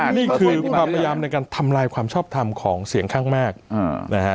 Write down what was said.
นี่คือความพยายามในการทำลายความชอบทำของเสียงข้างมากนะฮะ